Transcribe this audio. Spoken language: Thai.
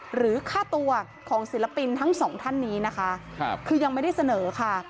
หรือค่าตัวของศิลปินทั้งสองท่านนี้นะคะคือยังไม่ได้เสนอค่ะ